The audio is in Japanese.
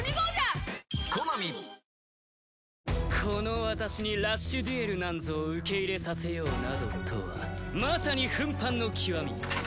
この私にラッシュデュエルなんぞを受け入れさせようなどとはまさに噴飯の極み。